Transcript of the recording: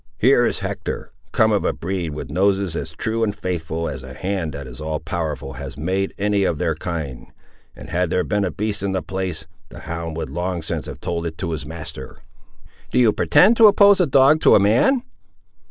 Here is Hector, come of a breed with noses as true and faithful as a hand that is all powerful has made any of their kind, and had there been a beast in the place, the hound would long since have told it to his master." "Do you pretend to oppose a dog to a man!